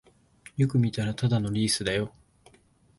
よく見たらただのリースだよ